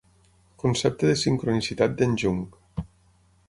Concepte de sincronicitat de"n Jung.